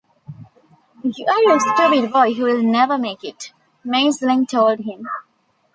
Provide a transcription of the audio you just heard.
"You're a stupid boy who will never make it," Meisling told him.